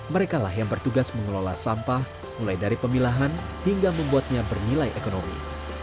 mereka lah yang bertugas mengelola sampah mulai dari pemilahan hingga membuatnya bernilai ekonomi